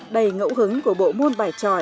đầy ngẫu hứng của bộ môn bài tròi